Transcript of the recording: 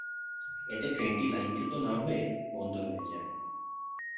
এতে ট্রেনটি লাইনচ্যুত না হয়ে বন্ধ হয়ে যায়।